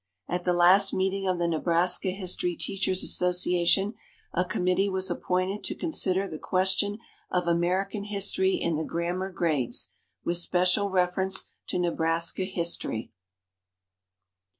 At the last meeting of the Nebraska History Teachers' Association a committee was appointed to consider the question of American history in the Grammar grades, with special reference to Nebraska history.